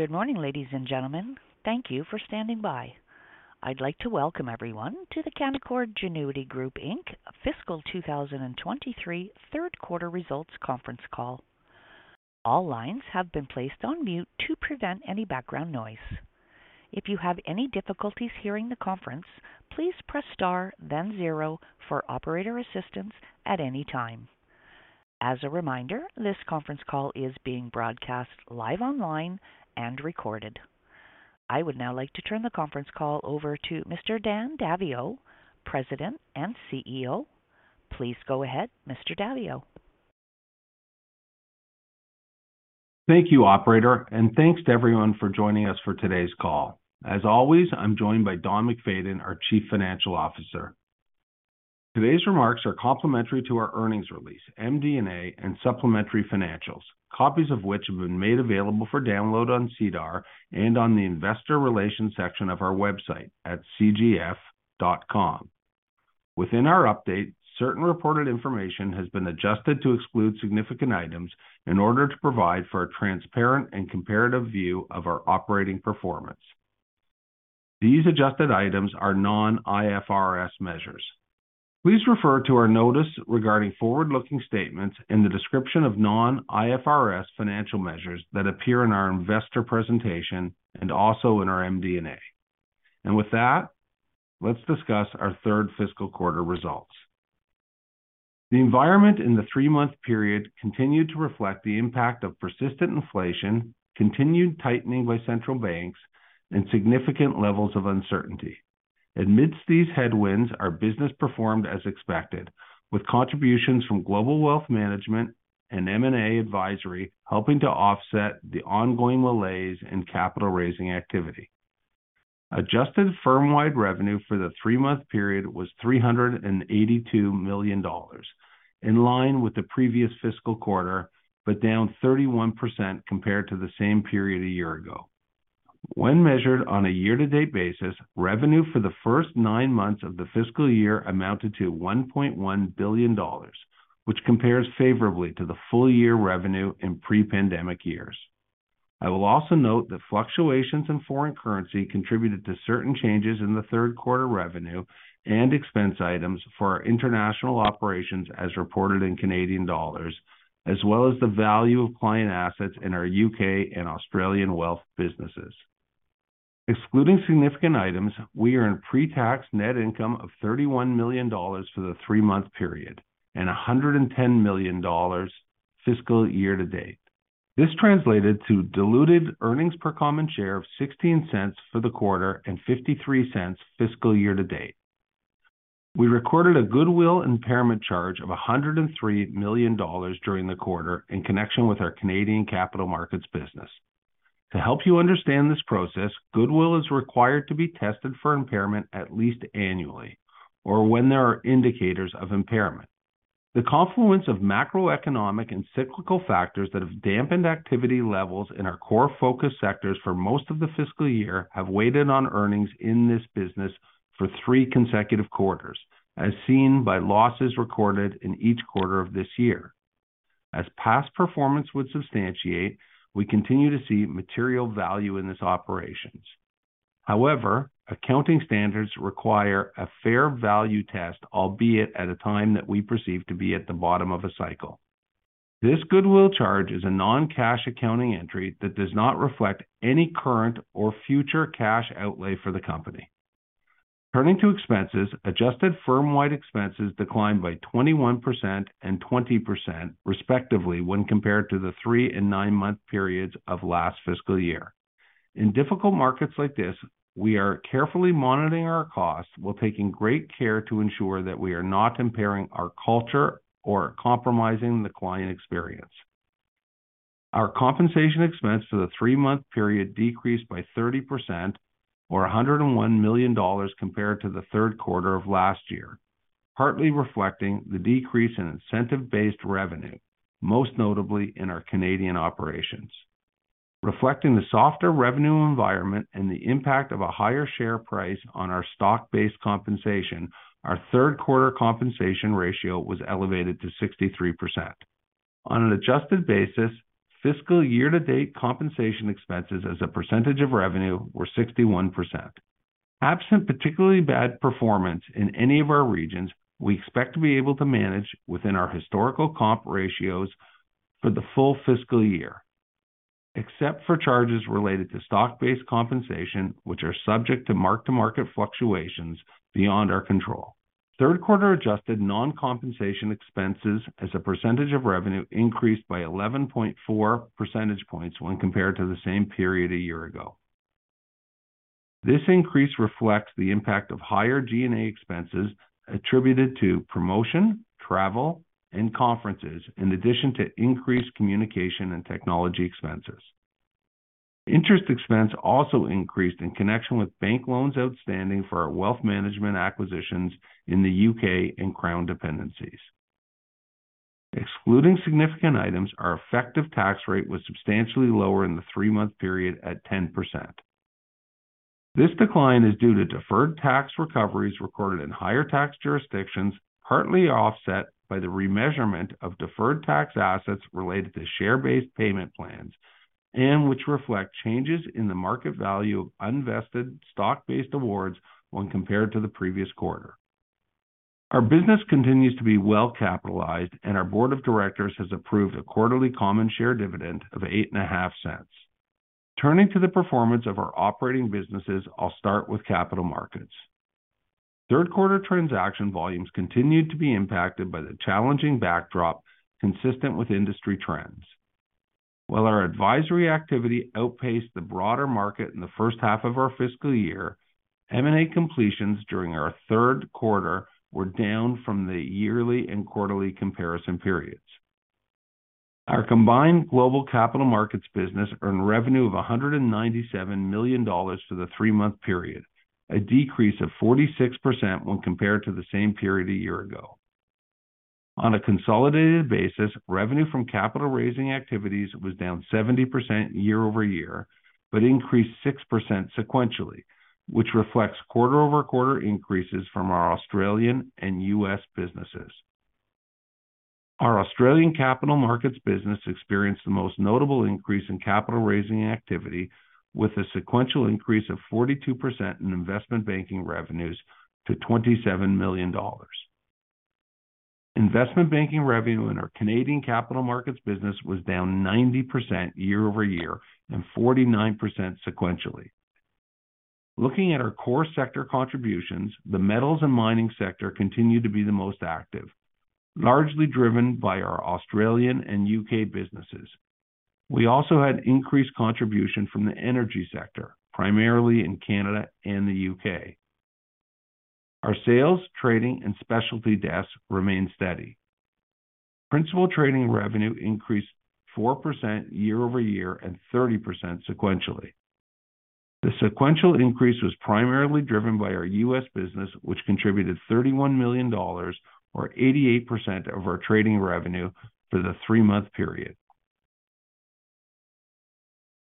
Good morning, ladies and gentlemen. Thank you for standing by. I'd like to welcome everyone to the Canaccord Genuity Group Inc. Fiscal 2023 Third Quarter Results Conference Call. All lines have been placed on mute to prevent any background noise. If you have any difficulties hearing the conference, please press star then zero for operator assistance at any time. As a reminder, this conference call is being broadcast live online and recorded. I would now like to turn the conference call over to Mr. Dan Daviau, President and CEO. Please go ahead, Mr. Daviau. Thank you, operator, and thanks to everyone for joining us for today's call. As always, I'm joined by Don MacFayden, our Chief Financial Officer. Today's remarks are complementary to our earnings release, MD&A, and supplementary financials, copies of which have been made available for download on SEDAR and on the investor relations section of our website at cgf.com. Within our update, certain reported information has been adjusted to exclude significant items in order to provide for a transparent and comparative view of our operating performance. These adjusted items are non-IFRS measures. Please refer to our notice regarding forward-looking statements in the description of non-IFRS financial measures that appear in our investor presentation and also in our MD&A. With that, let's discuss our third fiscal quarter results. The environment in the three-month period continued to reflect the impact of persistent inflation, continued tightening by central banks, and significant levels of uncertainty. Amidst these headwinds, our business performed as expected, with contributions from global wealth management and M&A advisory helping to offset the ongoing malaise in capital raising activity. Adjusted firm-wide revenue for the three-month period was 382 million dollars, in line with the previous fiscal quarter, down 31% compared to the same period a year ago. When measured on a year-to-date basis, revenue for the first nine months of the fiscal year amounted to 1.1 billion dollars, which compares favorably to the full year revenue in pre-pandemic years. I will also note that fluctuations in foreign currency contributed to certain changes in the third quarter revenue and expense items for our international operations as reported in Canadian dollars, as well as the value of client assets in our UK and Australian wealth businesses. Excluding significant items, we are in pre-tax net income of 31 million dollars for the three-month period and 110 million dollars fiscal year to date. This translated to diluted earnings per common share of 0.16 for the quarter and 0.53 fiscal year to date. We recorded a goodwill impairment charge of 103 million dollars during the quarter in connection with our Canadian capital markets business. To help you understand this process, goodwill is required to be tested for impairment at least annually or when there are indicators of impairment. The confluence of macroeconomic and cyclical factors that have dampened activity levels in our core focus sectors for most of the fiscal year have weighed in on earnings in this business for three consecutive quarters, as seen by losses recorded in each quarter of this year. As past performance would substantiate, we continue to see material value in these operations. However, accounting standards require a fair value test, albeit at a time that we perceive to be at the bottom of a cycle. This goodwill charge is a non-cash accounting entry that does not reflect any current or future cash outlay for the company. Turning to expenses, adjusted firm wide expenses declined by 21% and 20% respectively when compared to the three and nine-month periods of last fiscal year. In difficult markets like this, we are carefully monitoring our costs while taking great care to ensure that we are not impairing our culture or compromising the client experience. Our compensation expense for the three-month period decreased by 30% or 101 million dollars compared to the third quarter of last year, partly reflecting the decrease in incentive-based revenue, most notably in our Canadian operations. Reflecting the softer revenue environment and the impact of a higher share price on our stock-based compensation, our third quarter compensation ratio was elevated to 63%. On an adjusted basis, fiscal year-to-date compensation expenses as a percentage of revenue were 61%. Absent particularly bad performance in any of our regions, we expect to be able to manage within our historical comp ratios for the full fiscal year, except for charges related to stock-based compensation, which are subject to mark-to-market fluctuations beyond our control. Third quarter adjusted non-compensation expenses as a percentage of revenue increased by 11.4 percentage points when compared to the same period a year ago. This increase reflects the impact of higher G&A expenses attributed to promotion, travel, and conferences, in addition to increased communication and technology expenses. Interest expense also increased in connection with bank loans outstanding for our wealth management acquisitions in the UK and Crown dependencies. Excluding significant items, our effective tax rate was substantially lower in the three-month period at 10%. This decline is due to deferred tax recoveries recorded in higher tax jurisdictions, partly offset by the remeasurement of deferred tax assets related to share-based payment plans and which reflect changes in the market value of unvested stock-based awards when compared to the previous quarter. Our business continues to be well capitalized and our board of directors has approved a quarterly common share dividend of 0.085. Turning to the performance of our operating businesses, I'll start with capital markets. Third quarter transaction volumes continued to be impacted by the challenging backdrop consistent with industry trends. While our advisory activity outpaced the broader market in the first half of our fiscal year, M&A completions during our third quarter were down from the yearly and quarterly comparison periods. Our combined global capital markets business earned revenue of 197 million dollars for the three-month period, a decrease of 46% when compared to the same period a year ago. On a consolidated basis, revenue from capital raising activities was down 70% year-over-year, but increased 6% sequentially, which reflects quarter-over-quarter increases from our Australian and U.S. businesses. Our Australian capital markets business experienced the most notable increase in capital raising activity with a sequential increase of 42% in investment banking revenues to 27 million dollars. Investment banking revenue in our Canadian capital markets business was down 90% year-over-year and 49% sequentially. Looking at our core sector contributions, the metals and mining sector continued to be the most active, largely driven by our Australian and U.K. businesses. We also had increased contribution from the energy sector, primarily in Canada and the U.K. Our sales, trading, and specialty desks remained steady. Principal trading revenue increased 4% year-over-year and 30% sequentially. The sequential increase was primarily driven by our U.S. business, which contributed $31 million or 88% of our trading revenue for the three-month period.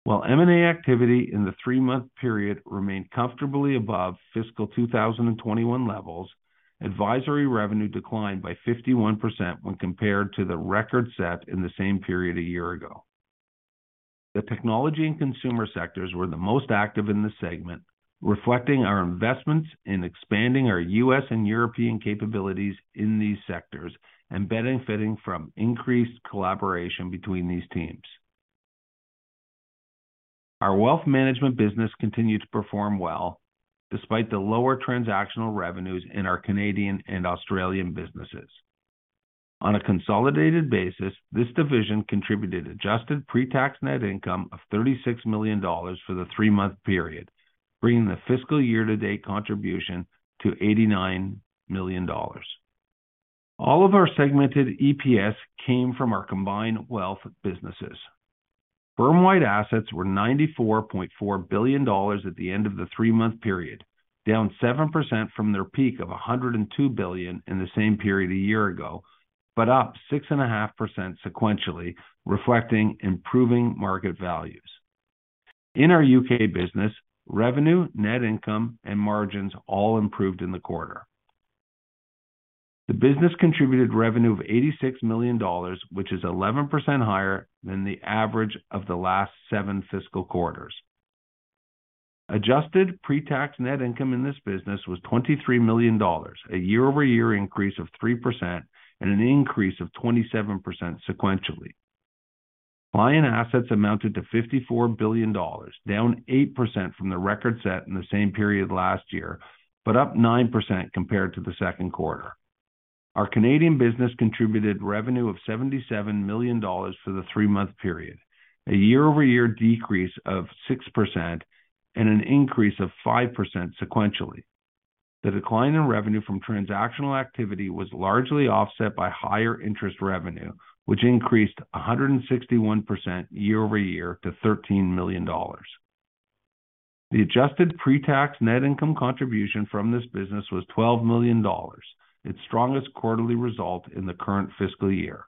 While M&A activity in the three-month period remained comfortably above fiscal 2021 levels, advisory revenue declined by 51% when compared to the record set in the same period a year ago. The technology and consumer sectors were the most active in the segment, reflecting our investments in expanding our U.S. and European capabilities in these sectors and benefiting from increased collaboration between these teams. Our wealth management business continued to perform well despite the lower transactional revenues in our Canadian and Australian businesses. On a consolidated basis, this division contributed adjusted pre-tax net income of 36 million dollars for the three-month period, bringing the fiscal year to date contribution to 89 million dollars. All of our segmented EPS came from our combined wealth businesses. Firm-wide assets were 94.4 billion dollars at the end of the three-month period, down 7% from their peak of 102 billion in the same period a year ago, up 6.5% sequentially, reflecting improving market values. In our UK business, revenue, net income and margins all improved in the quarter. The business contributed revenue of 86 million dollars, which is 11% higher than the average of the last 7 fiscal quarters. Adjusted pre-tax net income in this business was 23 million dollars, a year-over-year increase of 3% and an increase of 27% sequentially. Client assets amounted to 54 billion dollars, down 8% from the record set in the same period last year, but up 9% compared to the second quarter. Our Canadian business contributed revenue of 77 million dollars for the three-month period, a year-over-year decrease of 6% and an increase of 5% sequentially. The decline in revenue from transactional activity was largely offset by higher interest revenue, which increased 161% year-over-year to 13 million dollars. The adjusted pre-tax net income contribution from this business was 12 million dollars, its strongest quarterly result in the current fiscal year.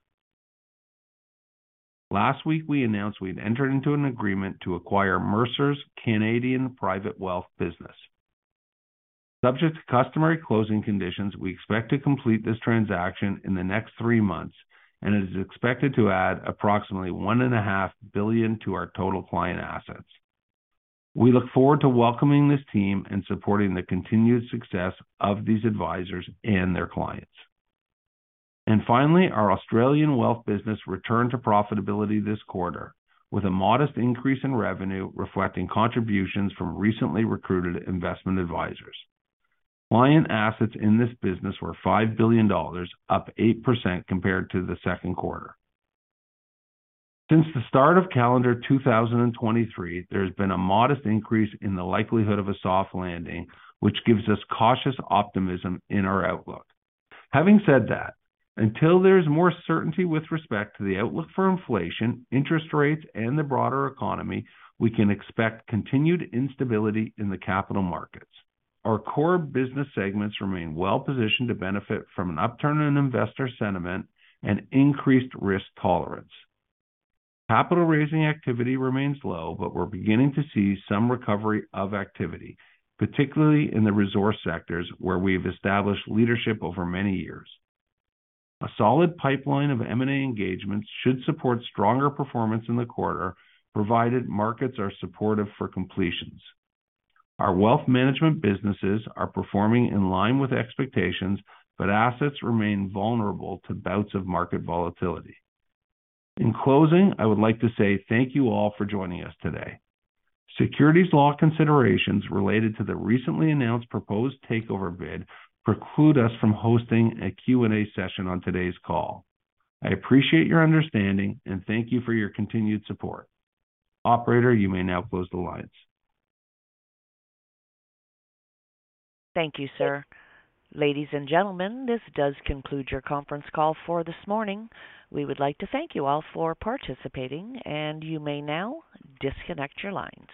Last week, we announced we'd entered into an agreement to acquire Mercer's Canadian private wealth business. Subject to customary closing conditions, we expect to complete this transaction in the next three months. It is expected to add approximately one and a half billion to our total client assets. We look forward to welcoming this team and supporting the continued success of these advisors and their clients. Finally, our Australian wealth business returned to profitability this quarter with a modest increase in revenue reflecting contributions from recently recruited investment advisors. Client assets in this business were 5 billion dollars, up 8% compared to the second quarter. Since the start of calendar 2023, there's been a modest increase in the likelihood of a soft landing, which gives us cautious optimism in our outlook. Having said that, until there's more certainty with respect to the outlook for inflation, interest rates and the broader economy, we can expect continued instability in the capital markets. Our core business segments remain well-positioned to benefit from an upturn in investor sentiment and increased risk tolerance. Capital raising activity remains low. We're beginning to see some recovery of activity, particularly in the resource sectors where we've established leadership over many years. A solid pipeline of M&A engagements should support stronger performance in the quarter, provided markets are supportive for completions. Our wealth management businesses are performing in line with expectations. Assets remain vulnerable to bouts of market volatility. In closing, I would like to say thank you all for joining us today. Securities law considerations related to the recently announced proposed takeover bid preclude us from hosting a Q&A session on today's call. I appreciate your understanding. Thank you for your continued support. Operator, you may now close the lines. Thank you, sir. Ladies and gentlemen, this does conclude your conference call for this morning. We would like to thank you all for participating, and you may now disconnect your lines.